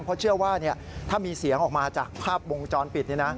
เพราะเชื่อว่าถ้ามีเสียงออกมาจากภาพวงจรปิด